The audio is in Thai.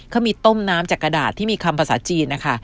เขามีต้มน้ำจากกระดาษที่มีคำภาษาจีนนะคะ